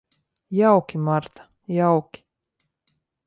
Jauki, Marta, jauki.